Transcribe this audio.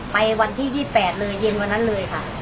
ไปวันที่๒๘เลยเย็นวันนั้นเลยค่ะ